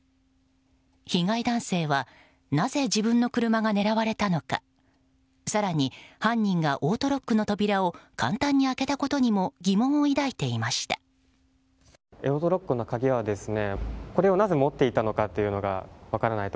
被害男性はなぜ自分の車が狙われたのか更に犯人がオートロックの扉を簡単に開けたことにも疑問を抱いていました。